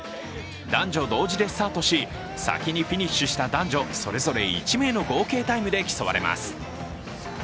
男女同時でスタートし、先にフィニッシュした男女、それぞれ１名の合計タイムで競われます。